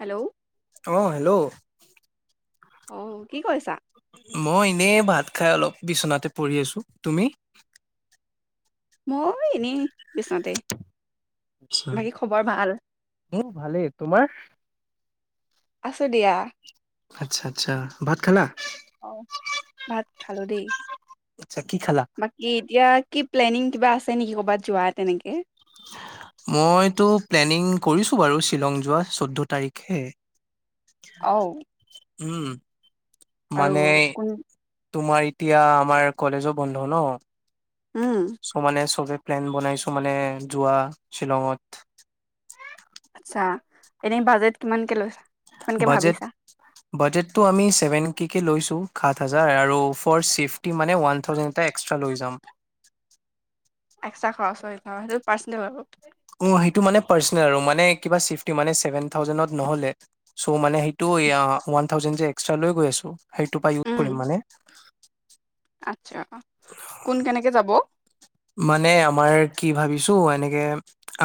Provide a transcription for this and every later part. Hello অ', hello অ কি কইছা? মই এনেই ভাত খাই অলপ বিচনাতে পৰি আছো তুমি মই এনেই বিছনাতে আচ্ছা বাকী খবৰ ভাল মোৰ ভালেই তোমাৰ আছো দিয়া। আচ্ছা আচ্ছা ভাত খালা। অ ভাত খালো দেই আচ্ছা কি খালা বাকী এতিয়া কি প্লেনিং কিবা আছে নেকি ক'বাত যোৱা তেনেকে। মইতো প্লেনিং কৰিছো বাৰু শ্বিলং যোৱা চৈধ্য তাৰিখে অওঁ উ'ম মানে আৰু কোন তোমাৰ এতিয়া আমাৰ কলেজো বন্ধ ন উম চ'মানে চবে প্লেন বনাইছো মানে যোৱা শ্বিলঙত আচ্ছা এনে বাজেট কিমানকে লৈছে কিমানকে বাজেট ভাবিছা বাজেটটো আমি চেভেন কে কে লৈছোঁ সাত হাজাৰ আৰু ফ'ৰ চেফটি মানে ওৱান থাউজেণ্ড এটা এক্সট্ৰা লৈ যাম। এক্সতা খৰচ হয় এ সেইটো পাৰ্চনেল হব। অ ', সেইটো মানে পাৰ্চনেল আৰু মানে কিবা চিফটি মানে চেভেন থাউজেণ্ডত নহলে। চ' মানে সেইটো এয়া ওৱান থাউজেণ্ড যে এক্সট্ৰা লৈ গৈ আছো। সেইটোৰ পা ইউজ উম কৰিম মানে। আচ্ছা কোন কেনেকে যাব? মানে আমাৰ কি ভাবিছো, এনেকে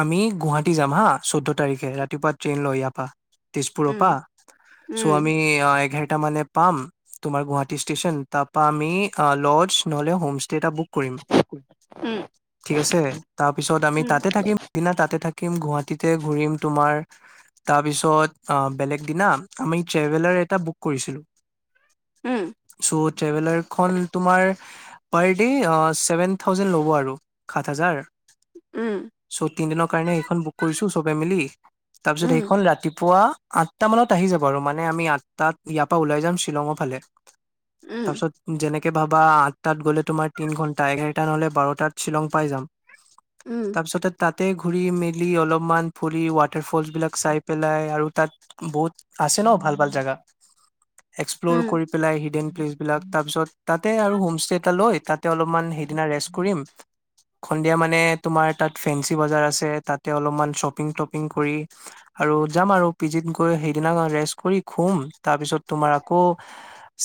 আমি গুৱাহাটী যাম হা চৈধ্য -তাৰিখে ৰাতিপুৱা ট্ৰেইন লয় ইয়াৰপা, তেজপুৰৰ উম পৰা। চ', উম আমি এঘা, তেতিয়া মানে পাম তোমাৰ গুৱাহাটী ষ্টেচন। তাৰ পা আমি ল'জ নহলে, সম ষ্টে, তেত্যা বুক কৰিম। উম ঠিক আছে। তাৰ পিছত আমি উম তাতে থাকিম দিনা তাতে থাকিম। থাকিম গুৱাহাটীতে ঘুৰিম তোমাৰ, তাৰপিছত বেলেগ দিনা আমি ট্ৰেভেলাৰ এটা বুক কৰিছিলো। উম চোত, ট্ৰেভেলাৰখন তোমাৰ পাৰ্দে অ', চেভেন থাউ ', থাউজেণ্ড ল'ব আৰু সাত - হাজাৰ, চ', তিনদিনৰ কাৰণে এইখন বুক কৰিছো, চবে মিলি। উম তাৰপিছত, উম সেইখন ৰাতিপুৱা আঠটা মানত আহি যাব আৰু মানে আমি আঠটাত ইয়াৰ পৰা ওলাই যাম, শ্বিলঙৰ ফালে, উম তাৰপিছত যেনেকে, কে', ভাবা আঠটাত গ'লে তোমাৰ তিন -ঘণ্টা এক, তেতিয়া হ'লে বাৰটাত শ্বিলং পাই যাম। উম তাৰপিছতে তাত, তাতে ঘুৰি- মেলি অলপমান ফুৰি ৱাটাৰ -ফলচ বিলাক চাই পেলাই আৰু তাত বহুত, আছে ন', ভাল -ভাল জাগা, এক্সপ্ল'ৰ উম কৰি পেলাই হিডেন -প্লেচ বিলাক তাৰপিছত তাতে আৰু হোমষ্টে এটা লৈ, তাতে অলপমান হে, সিদিনা ৰেষ্ট কৰিম। সন্ধিয়া মানে তোমাৰ তাত ফেঞ্চি- বজাৰ আছে তাতে অলপমান শ্বপিং -তপিং কৰি আৰু যাম আৰু পিজিত গৈ সেইদিনা ৰেষ্ট কৰি খুম, তাৰপিছত তোমাৰ আকৌ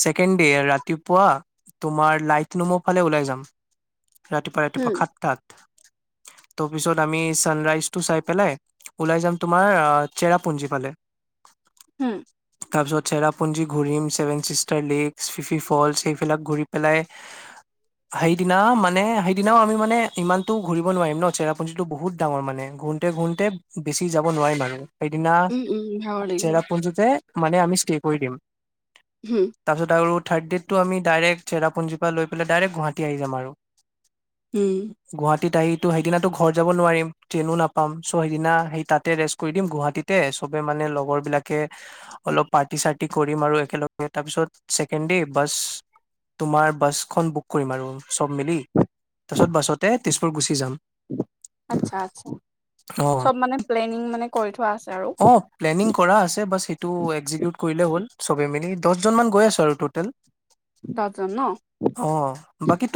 ছেকেণ্ড দে, 'ৰাতিপুৱা তোমাৰ লাইট নোমৰ ফালে ওলাই যাম। ৰাতিপুৱা- ৰাতিপুৱা উম সাত-তাত, ত', পিছত আমি ছানৰাইজটো, চাই পেলাই ওলাই যাম তোমাৰ চেৰাপুঞ্জী ফালে। হম', তাৰ পিছত চেৰাপুঞ্জী ঘূৰিম, ছেভেন- চিষ্টাৰ -লেক, ফিফি -ফলচ সেইবিলাক ঘূৰি পেলাই হাইট, সিদিনা মানে সেইদিনাও আমি মানে ইমানতো ঘূৰিব নোৱাৰিম ন', চেৰাপুঞ্জীটো বহুত ডাঙৰ মানে ঘুৰুন্তে - ঘূৰুন্তে বেছি যাব নোৱাৰিম আৰু। সেইদিনা উম উম ভাগৰ লাগিব চেৰাপুঞ্জীতে, - মানে আমি ষ্টে কৰি দিম। হুম তাৰপিছত আৰু, থাৰড -ডেইটটো আমি ডাইৰেক্ট চেৰাপুঞ্জীৰ পৰা লৈ পেলাই ডাইৰেক্ট গুৱাহাটী, টি আহি যাম আৰু। উম। গুৱাহাটী, সেইটো সেইদিনাটো ঘৰ যাব নোৱাৰিম ট্ৰেইনো নাপাম চ সেইদিনা সেই তাতে ৰেষ্ট কৰি দিম, গুৱাহাটীতে চবে মানে লগৰবিলাকে অলপ পাৰ্টি- চাৰ্তি কৰিম আৰু একেলগে তাৰপিছত ছেকেণ্ডডে বাছ তোমাৰ বাছখন বুক কৰিম আৰু চব মিলি তছোত বছতে তেজপুৰ গুচি যাম। আছা -আছা অ চব মানে প্লেনিং মানে কৰি থোৱা আছে। আৰু অ', প্লেনিং কৰা আছে বচ এইটো এক্সজকিউট কৰিলে হ'ল চবে মিলি দহজন মান গৈ আছো আৰু টটেল দহজন ন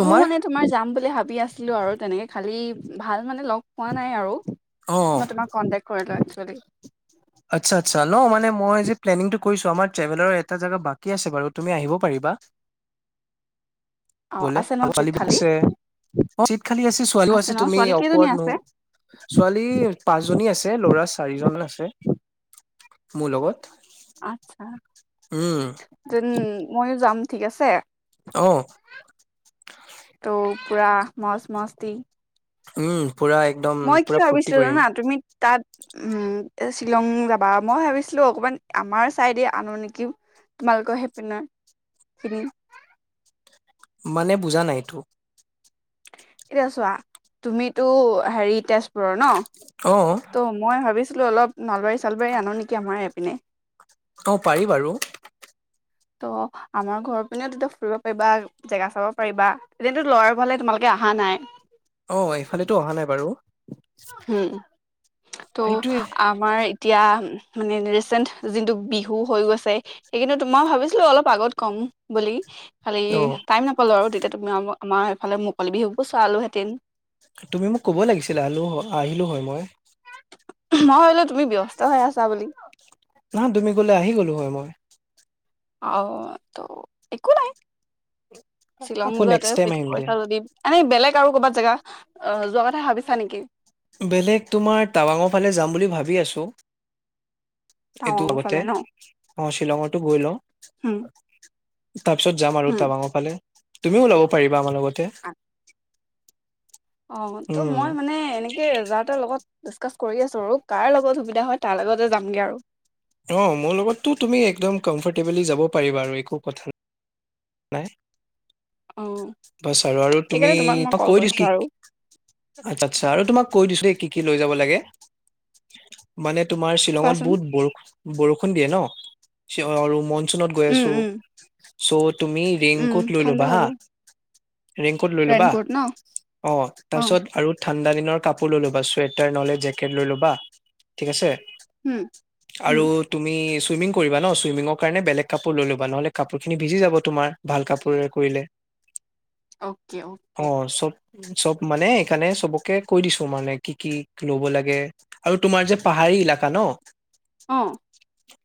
মোৰ মানে তোমাৰ যাম বুলি ভাবি আছিলো আৰু তেনেকে খালি ভাল মানে লগ পোৱা নাই আৰু অ মই তোমাক কন্টেক্ট কৰিলো হয়। চ আচ্ছা, আচ্ছা ন মানে মই যে প্লেনিংটো কৰিছো, আমাৰ টেভেলৰ এটা জ বাকী আছে বাৰু তুমি আহিব পাৰিবা। অ' বলে আছে ন চিট খালী? ছোৱালছে চীত খালি আছে ছোৱালীও আছে ন? তুমি ছোৱালী কেইজনী অকল ন আছে? ছোৱালী পাঁচজনী আছে ল'ৰা চাৰিজন আছে। মোৰ লগত আছা উম যে ময়। যাম ঠিক আছে। আহ ত' পুৰা মজ মস্তি উম পুৰা একদম মই কি পুৰা ফূৰ্তি ভাবিছিলো কৰিম জানা তুমি তাত উম শ্বিলং যাবা মই ভাবিছিলো অকমান আমাৰ চাইডে আনো নেকি তোমালোকৰ সেইপিনৰ খিনি। মানে বুজা নাইতো এতিয়া চোৱা তুমিতো হেৰি তেজপুৰৰ ন অ ত মই ভাবিছো। ছিলো অলপ নলবাৰী ছালবাৰী আনোনেকি আমাৰ প পিনে অ পাৰি বাৰু ত' আমাৰ ঘৰৰ পিনেও তেতিয়া ফুৰিব পাৰিবা জেগা চাব পাৰিবা তেতিন্তো লৰাৰ ভাললে তোমালোকে অহা নাই। অ এইফালেতো অহা নাই বাৰু উম ত' সেইটোৱে আমাৰ এতিয়া মানে ৰিচেন্ট যিটো বিহু হৈ গৈছে সেই কিন্তু তোমাৰ ভাবিছিলো অলপ আগত কম বুলি খালি অ টাইম নাপালো আৰু তেতিয়া। তুমি আৰু আমাৰ সিফালে মুকলি বিহুবোৰ চোৱা আলো হেতেন তুমি মোক ক'ব লাগিছিলে আকৌ আহিলো হয় মই। মই হলো তুমি ব্যস্ত হৈ আছা বুলি। নহয় তুমি গলে আহি গ'লো হয় মই অ ত একো নাই শ্বিলং আকৌ নেক্সট যোৱাটোৱে টাইম ফিক্স আহিম দিয়া কৰিছা যদি এনেই বেলেগ কাৰো ক'বাত জাগা অ যোৱা কথা ভাবিছা নেকি বেলেগ তোমাৰ টাৱাঙৰ ফালে যাম বুলি ভাবি আছোঁ। এইটো টাৱাং ফালে বগতে ন? অ শ্বিলঙতো গৈলো হুম, তাৰপিছত যাম আৰু হুম। টাৱাঙৰ ফালে। তুমিও ওলাব পাৰিবা আমাৰ লগতে অ ত উম মই মানে এনে ত যা তাৰ লগত ডিচকাচ কৰি আছো আৰু কাৰ লগত সুবিধা হয় তাৰ লগতে যামগে আৰু। অ মোৰ লগতটো তুমি একদম কমফৰ্টেবলি যাব পাৰিবা আৰু একো কথা নাই। নাই। অ' বছ আৰু - আৰু তুমি সেইকাৰণে মই তোমাক কল কৈ দিছ কৰিছো কি আৰু আচ্ছা আচ্ছা আৰু তোমাক কৈ দিছোঁ দেই কি কি লৈ যাব লাগে, মানে তোমাৰ শ্বিলঙত কোৱাচোন। বহুত বৰুখ - বৰষুণ দিয়ে ন? [unintelligible] আৰু মন চুনত গৈ উম, আছো। উম, চত তুমি উম, ৰেইনকোট লৈ ঠাণ্ডা লবা হ'ব হা। ৰেইনকোট লৈ ল'বা অ' অ' তাৰপিছত আৰু ঠাণ্ডা দিনৰ কাপোৰ লৈ ল'বা চুৱেটাৰ নহ'লে জেকেট লৈ ল'বা। ঠিক আছে? হুম, হুম, আৰু তুমি চুইমিং কৰিবা ন চুইমিঙৰ কাৰণে বেলেগ কাপোৰ লৈ লবা নহলে কাপোৰখিনি ভিজি যাব। তোমাৰ ভাল কাপোৰেৰে কৰিলে অকে অ অকে। চব চব মানে এইকাৰণে চবকে কৈ দিছো মানে কি কি লব লাগে আৰু তোমাৰ যে পাহাৰী ইলাকা ন। অ'।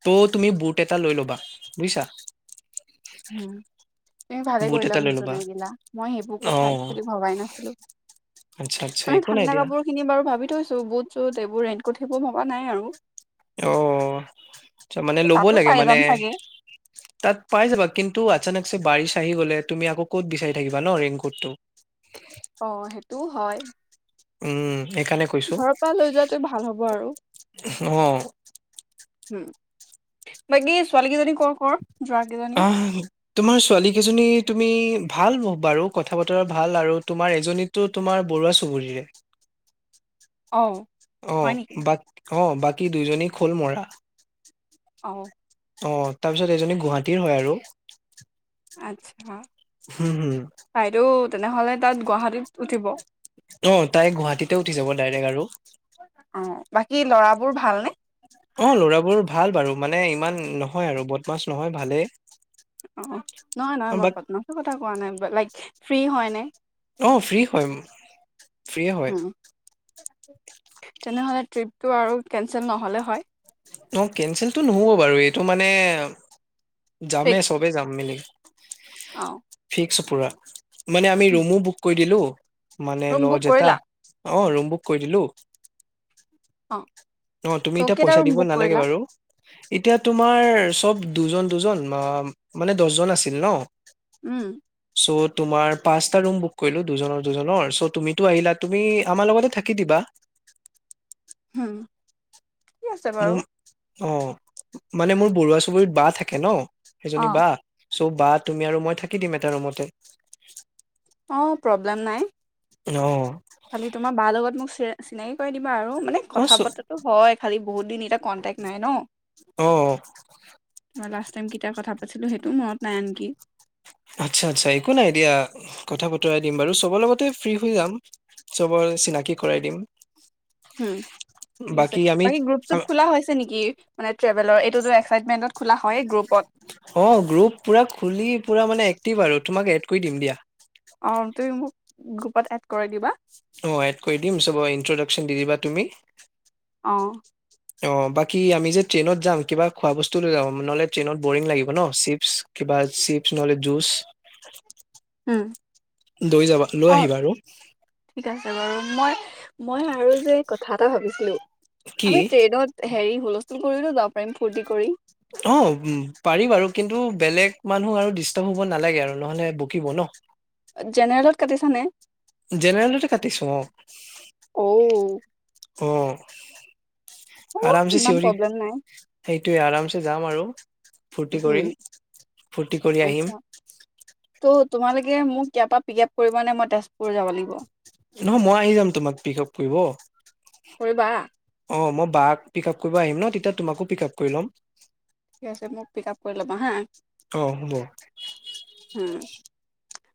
ত' তুমি বুট এটা লৈ ল'বা বুইছা? উম। তুমি ভালে বুট কৰিলা এটা মোক লৈ ল'বা জনাই দিলা। মই সেইবোৰ অ কথা একচলি ভবাই নাছিলো, আচ্ছা আচ্ছা মানে একো নাই ঠাণ্ডা দিয়া কাপোৰ খিনি বাৰু ভাবি থৈছো বুট চুট এইবোৰ ৰেইনকোট সেইবোৰ ভবা নাই আৰু। অ'। আচ্ছা মানে ল'ব তাতো লাগে পাই মানে যাম চাগে তাত পাই যাবা কিন্তু অচানক যে বাৰিচ আহি গ'লে তুমি আকৌ ক'ত বিচাৰি থাকিবা ন ৰেইনকোটটো। অ সেইটোও হয়। উম। সেইকাৰণে কৈছো। ঘৰৰ পৰা লৈ যোৱাটোৱে ভাল হ'ব আৰু অ'। হুম। বাকী ছোৱালী কেইজনী কৰ কৰ? যোৱা কেইজনী অ' তোমাৰ ছোৱালী কেইজনী তুমি ভাল ব - বাৰু কথা বতৰা ভাল আৰু তোমাৰ এজনীতো তোমাৰ বৰুৱা চুবুৰীৰে। অ' অ হয় নেকি বাট অ' বাকী দুইজনী খোল মৰা। অ অ' তাৰ পিছত এজনী গুৱাহাটীৰ হয় আৰু আচ্ছা। হুম হুম। বাইদেউ তেনেহ'লে তাত গুৱাহাটীত উঠিব। অ ', তাই গুৱাহাটীতে উঠি যাব ডাইৰেক্ট আৰু অ বাকী ল'ৰাবোৰ ভালনে অ', ল'ৰাবোৰ ভাল বাৰু। মানে ইমান নহয় আৰু বদ মাছ নহয় ভালেই। অ', নহয়- নহয় মই বাট বদমাচৰ কথা কোৱা নাই লাইক ফ্ৰী হয়নে? অ ', ফ্ৰী হয়- ফ্ৰীয়ে হয় উম তেনেহলে ট্ৰিপটো আৰু কেনচেল নহ'লে হয়? ন', কেনচেলটো নহব বাৰু এইটো মানে যামে ফিক্সড চব যাম মিলি অ একচুপৰা মানে আমি ৰুমো বুক কৰি দিলো। মান ৰুম ল'য বুক এটা কৰিলা অঁ', ৰুম বুক কৰি দিলোঁ। অ অ ', তুমি ত এতিয়া কেইটা পইচা ৰুম দিব বুক নালাগে কৰিলা বাৰু! এতিয়া তোমাৰ চব দুজন- দুজন মানে দহজন আছিল ন? উম', চ' তোমাৰ পাঁচটা ৰুম বুক কৰিলো দুজনৰ -দুজনৰ চ' তুমিতো আহিলা তুমি আমাৰ লগতে থাকি দিবা। হুম', কি আছে বাৰু? মোৰ অ ', মানে মোৰ বৰুৱা চুবুৰীত বা থাকে ন? সেইজনী অ', বা চ' বা তুমি আৰু মই থাকি দিম এটা ৰুমতে। অ ', প্ৰব্লেম নাই। অ'হ খালি তোমাৰ বা লগত মোক চ চিনাকি কৰাই দিম বাৰ মানে অ চ কথা বতৰাটো হয়। খালি বহুত দিন এতি কণ্টেক্ নাই ন। অহ আমি কতিয়া কথা পাতিছিলো সেইটোও মনত নাই আনকি আচ্ছা- আচ্ছা একো নাই দিয়া কথা বতৰাই দিম বাৰু চবৰ লগতে ফ্ৰী হৈ যাম চবকে চিনাকি কৰাই দিম। হম ঠিক আছে আমি বাকী গ্ৰুপ চুপ আম- খোলা হৈছে নেকি মানে ট্ৰেভেলৰ সেটোৱে এক্সিত্মেণ্টত অ গ্ৰুপ পুৰা খুলি পুৰা মানে দিম বাৰু তোমাক এড কৰি দিম দিয়া। অ', তুমি মোক গ্ৰুপত এড কৰাই দিবা? অ এড কৰি দিমব ইন্ট্ৰডাকচন দি দিবা তুমি। অহ অ বাকী আমি যে ট্ৰেইনত যাম কিবা খোৱা বস্তু লৈ যাম নহলে ট্ৰেইনত বৰিং লাগিব ন চিপচ কিবা চিপছ নহলে জুচ। উম, লৈ যাবা লৈ অ', আহিবা আৰু ঠিক আছে মই মই আৰু যে কথা এটা ভাবিছিলো কি আমি ট্ৰেইনত হেৰি হুলস্থুল কৰিলেও যাব পাৰিম ফূৰ্তি কৰি অ পাৰি বাৰু কিন্তু বেলেগ মানুহ আৰু ডিষ্টাৰ্ব হ'ব নালাগে আৰু নহ'লে বকিব ন জেনেৰেলত কাটিছানে জেনেৰেলতে কাটিছো অ অ অ' আৰামছে ইমান চিঞৰি প্ৰব্লেম নাই সেইটোৱে আৰামছে যাম আৰু ফুৰ্তি কৰি হম, ফূৰ্তি কৰি আচ্ছা আহিম। ত' তোমালোকে মোক ইয়াৰ পৰা পিক আপ কৰিবা নে মই তেজপুৰ যাব লাগিব? নহয় মই আহি যাম তোমাক পিক আপ কৰিব কৰিবা অ', মই বা পিক আপ কৰিব আহিম ন তেতিয়া তোমাকো পিক আপ কৰি ল'ম। ঠিক আছে মোক পিক আপ কৰি ল'বা হা অহ হ'ব। হুম,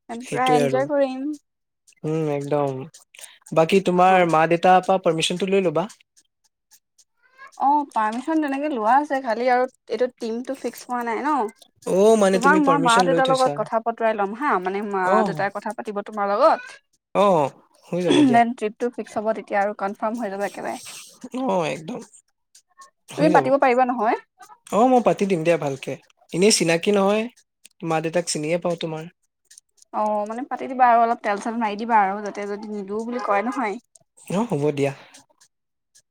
আমি পুৰা সেইটোৱে আৰু এনজয় কৰিম উম একদম। বাকী তোমাৰ অ', মা দেউতাৰ পা পাৰ্মিছনটো লৈ লবা অ পাৰ্মিশন তেনেকে লোৱা আছে খালি আৰু এইটো টিমটো ফিক্স হোৱা নাই ন। অ মানে তুমি তোমাক মই মা পাৰ্মিশন লৈ দেউতাৰ থৈছা লগত কথা পতোৱাই ল'ম হা মানে মা অ দেউতাই কথা পাতিব তোমাৰ অ হৈ যাব লগত দিয়া দেন ট্ৰিপটো ফিক্স হব তেতিয়া আৰু কনফাৰ্ম হৈ যাব একেবাৰে। অ একদম তুমি হৈ যাব পাতিব পাৰিবা নহয় অ মই পাতি দিম দিয়া ভালকে। এনেই চিনাকি নহয় মা দেউতাক চিনিয়ে পাওঁ তোমাৰ। অ মানে পাতি দিবা আৰু অলপ তেল চল মাৰি দিবা আৰু যাতে যদি নিদো বুলি কয় নহয় অ হ'ব দিয়া।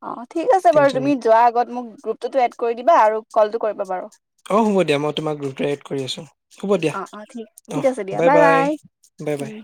অ ঠিক আছে বাৰু টেনচন তুমি যোৱাৰ আগত মোক গ্ৰুপ টো এড কৰি দিবা আৰু কলটো কৰিব বাৰু অ', হ'ব দিয়া মই তোমাক গ্ৰুপে এড কৰি আছো হ'ব দিয়া অ অ ঠিক অ ঠিক আছে দিয়া বাই বাই বাই। উম